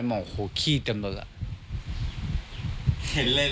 เห็นเลยเหรอ